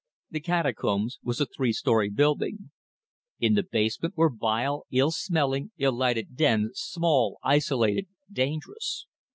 The Catacombs was a three story building. In the basement were vile, ill smelling, ill lighted dens, small, isolated, dangerous.